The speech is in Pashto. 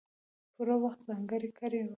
پوره وخت ځانګړی کړی وو.